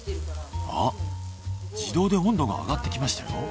あっ自動で温度が上がってきましたよ。